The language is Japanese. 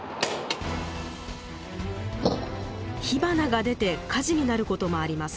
火花が出て火事になることもあります。